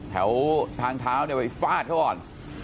แถวทางเท้าไปฟาดเข้าก่อน